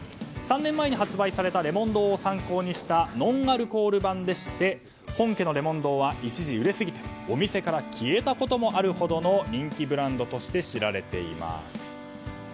３年前に発売された檸檬堂を参考にしたノンアルコール版でして本家の檸檬堂は一時売れすぎてお店から消えたこともあるほどの人気ブランドとして知られています。